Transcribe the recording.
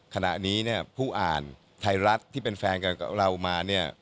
ขณะนี้ผู้อ่านไทยรัฐที่เป็นแฟนกับเรามา